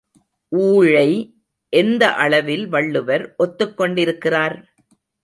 ஊழை எந்த அளவில் வள்ளுவர் ஒத்துக்கொண்டிருக்கிறார்?